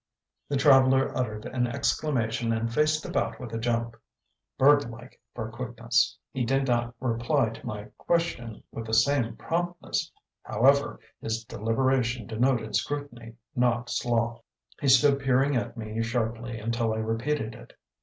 The traveller uttered an exclamation and faced about with a jump, birdlike for quickness. He did not reply to my question with the same promptness; however, his deliberation denoted scrutiny, not sloth. He stood peering at me sharply until I repeated it.